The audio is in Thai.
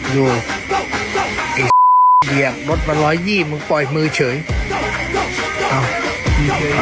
ดูไอ้เรียกรถมา๑๒๐มึงปล่อยมือเฉย